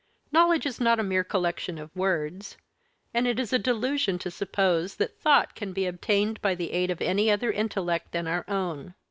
Knowledge is not a mere collection of words; and it is a delusion to suppose that thought can be obtained by the aid of any other intellect than our own.